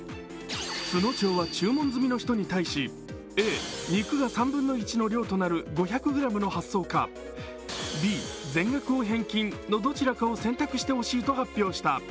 都農町は注文済みの人に対しＡ、肉が３分の１の量となる５００ｇの発送かＢ、全額を返金のどちらかを選択してほしいと発表した。